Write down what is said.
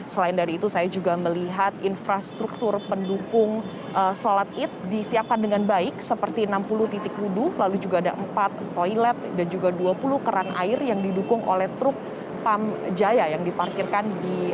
selain dari itu saya juga melihat infrastruktur pendukung sholat id disiapkan dengan baik seperti enam puluh titik wudhu lalu juga ada empat toilet dan juga dua puluh kerang air yang didukung oleh truk pam jaya yang diparkirkan